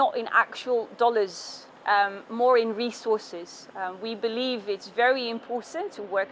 tại buôn đôn đang góp phần tích cực